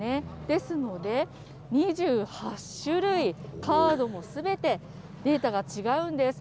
ですので、２８種類、カードもすべてデータが違うんです。